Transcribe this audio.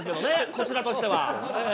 こちらとしてはええ。